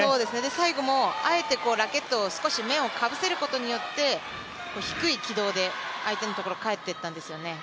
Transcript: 最後もあえてラケットを少し面をかぶせることによって、低い軌道で相手のところへ返っていったんですよね。